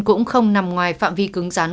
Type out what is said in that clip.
cũng không nằm ngoài phạm vi cứng rắn